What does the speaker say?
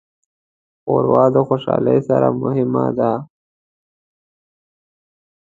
ښوروا د خوشالۍ سره هممهاله ده.